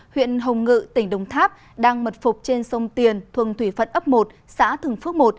huyện hồng ngự tỉnh đồng tháp đang mật phục trên sông tiền thuần thủy phật ấp một xã thường phước một